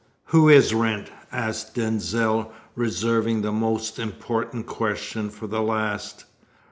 "Who is Wrent?" asked Denzil, reserving the most important question for the last.